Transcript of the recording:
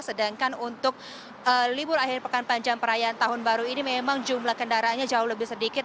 sedangkan untuk libur akhir pekan panjang perayaan tahun baru ini memang jumlah kendaraannya jauh lebih sedikit